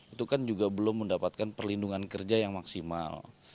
itu kan juga belum mendapatkan perlindungan kerja yang maksimal